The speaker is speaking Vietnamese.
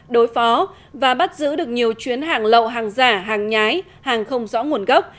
đối phó và bắt giữ được nhiều chuyến hàng lậu hàng giả hàng nhái hàng không rõ nguồn gốc